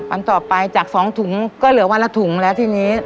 อันต่อไปจาก๒ถุงก็เหลือวันละถุงแล้วทีนี้